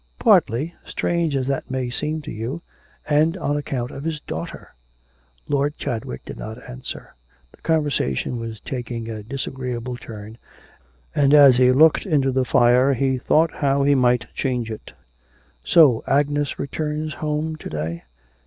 'Partly, strange as that may seem to you, and on account of his daughter.' Lord Chadwick did not answer. The conversation was taking a disagreeable turn, and as he looked into the fire he thought how he might change it. 'So Agnes returns home to day?'